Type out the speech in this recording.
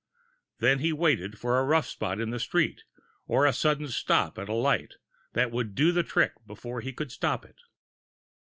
Then he waited for the rough spot in the street or the sudden stop at a light that would do the trick before he could stop it.